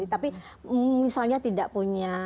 tapi misalnya tidak punya